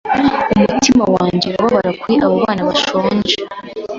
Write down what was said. Umutima wanjye urababara kuri abo bana bashonje.